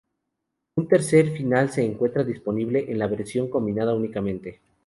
Un tercer final se encuentra disponible en la versión combinada únicamente.